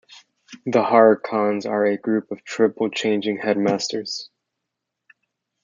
The Horrorcons are a group of Triple-Changing Headmasters.